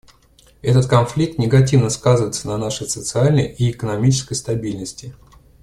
Этот конфликт негативно сказывается на нашей социальной и экономической стабильности.